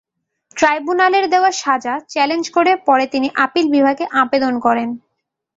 ট্রাইব্যুনালের দেওয়া সাজা চ্যালেঞ্জ করে পরে তিনি আপিল বিভাগে আবেদন করেন।